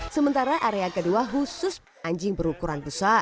sementara area kedua khusus anjing berukuran besar